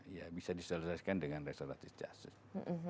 iya bisa diselesaikan dengan restoratif justice